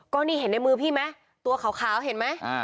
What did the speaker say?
ก็นี่เห็นในมือพี่ไหมตัวขาวเห็นไหม